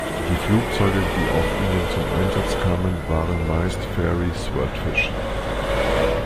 Die Flugzeuge, die auf ihnen zum Einsatz kamen, waren meist Fairey Swordfish.